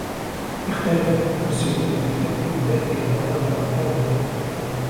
اخْتَلَفَ الْمُفَسِّرُونَ فِي تَأْوِيلِ ذَلِكَ فَقَالَ قَتَادَةُ